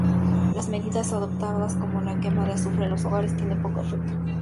Las medidas adoptadas, como la quema de azufre en los hogares, tienen poco efecto.